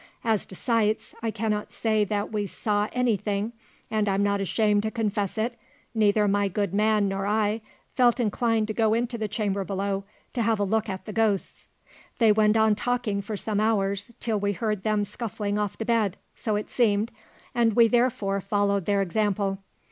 As to sights, I cannot say that we saw any thing; and I'm not ashamed to confess it, neither my good man nor I felt inclined to go into the chamber below, to have a look at the ghosts. They went on talking for some hours, till we heard them scuffling off to bed, so it seemed, and we therefore followed their example.